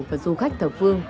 và du khách thẩm phương